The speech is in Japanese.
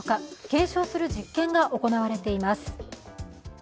検証する実験が行われています。